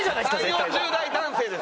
３０４０代男性です。